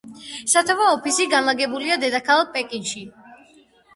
სათავო ოფისი განლაგებულია დედაქალაქ პეკინში.